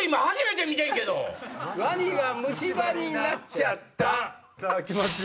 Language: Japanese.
「ワニが虫歯になっちゃった」。